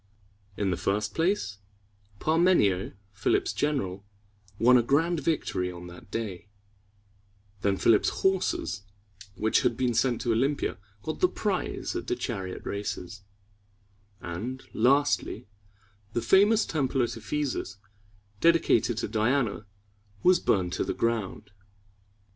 In the first place, Par me´ni o, Philip's general, won a grand victory on that day; then Philip's horses, which had been sent to Olympia, got the prize at the chariot races; and, lastly, the famous temple at Ephesus, dedicated to Diana, was burned to the ground.